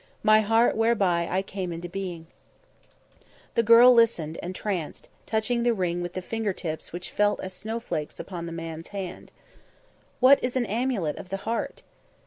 My heart whereby I came into being_.'" The girl listened entranced, touching the ring with finger tips which felt as snow flakes upon the man's hand. "What is an amulet of the heart?"